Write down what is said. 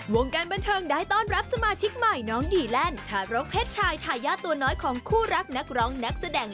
วงการบันเทิงได้ต้อนรับสมาชิกใหม่น้องดีแลนด์ทารกเพศชายทายาทตัวน้อยของคู่รักนักร้องนักแสดง